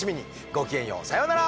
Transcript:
ごきげんようさようなら！